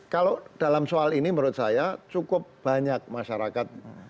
kalau dalam soal ini menurut saya cukup banyak masyarakat